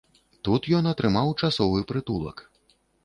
Тут ён атрымаў часовы прытулак.